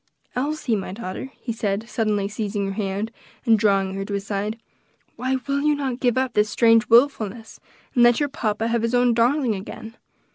"Elsie, my daughter," he said, suddenly seizing her hand, and drawing her to his side, "why will you not give up this strange wilfulness, and let your papa have his own darling again?